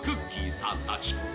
さんたち。